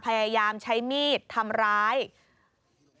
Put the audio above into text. พยายามใช้มีดทำร้าย